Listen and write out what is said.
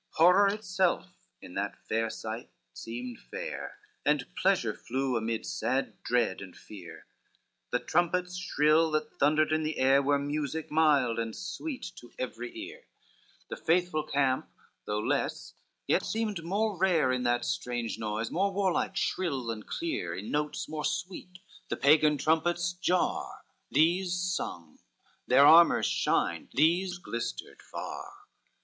XXX Horror itself in that fair sight seemed fair, And pleasure flew amid sad dread and fear; The trumpets shrill, that thundered in the air, Were music mild and sweet to every ear: The faithful camp, though less, yet seemed more rare In that strange noise, more warlike, shrill and clear, In notes more sweet, the Pagan trumpets jar, These sung, their armors shined, these glistered far.